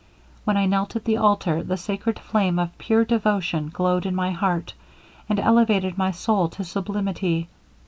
When I knelt at the altar, the sacred flame of pure devotion glowed in my heart, and elevated my soul to sublimity.